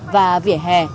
và vỉa hè